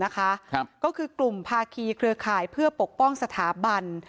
ก็คือกลุ่มภาคีเครือข่ายเพื่อปกป้องสถาบัน